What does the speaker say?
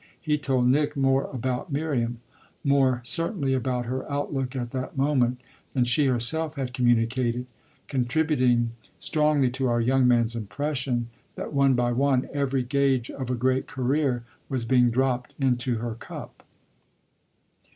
He told Nick more about Miriam, more certainly about her outlook at that moment, than she herself had communicated, contributing strongly to our young man's impression that one by one every gage of a great career was being dropped into her cup.